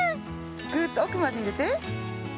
ぐっとおくまでいれて。